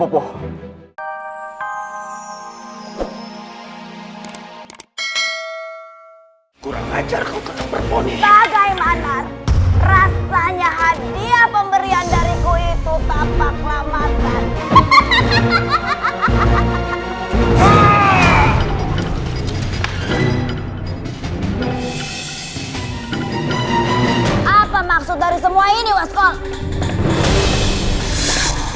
apa maksud dari semua ini waskol